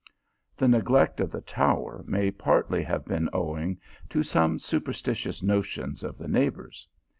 The ne glect of the tower may partly have been owing to some superstitious notions of the neighbours.